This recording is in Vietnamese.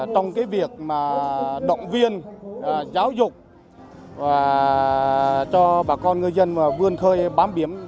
trong cái việc mà động viên giáo dục và cho bà con ngư dân vươn khơi bám biển